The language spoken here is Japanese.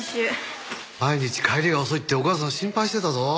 毎日帰りが遅いってお母さん心配してたぞ。